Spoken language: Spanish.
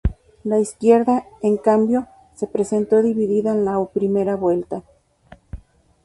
La izquierda, en cambio, se presentó dividida en la primera vuelta.